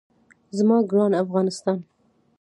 زما ګران افغانستان.